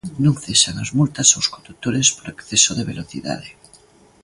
Non cesan as multas aos condutores por exceso de velocidade.